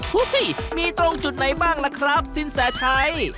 มีตรงจุดไหนบ้างล่ะครับสินแสชัย